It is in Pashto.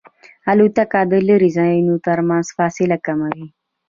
الوتکه د لرې ځایونو ترمنځ فاصله کموي.